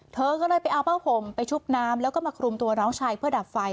เธอก็เลยไปเอาผ้าห่มไปชุบน้ำแล้วก็มาคลุมตัวน้องชายเพื่อดับไฟ